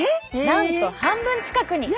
なんと半分近くに！